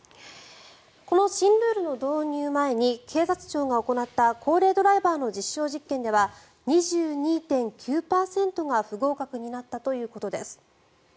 この新ルールの導入前に警察庁が行った高齢ドライバーの実証実験では２２．９％が不合格になったということです。